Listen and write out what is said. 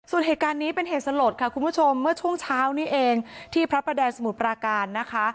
ส่วนเหตุการณ์นี้เป็นเหตุสลดค่ะคุณผู้ชมเมื่อช่วงเช้านี้เองที่พระประแดงสมุทรปราการนะคะ